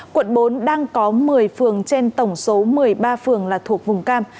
quận bốn đang có một mươi phường trên tổng số một mươi ba phường là thuộc vùng cam